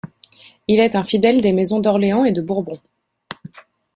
Il est un fidèle des maisons d'Orléans et de Bourbon.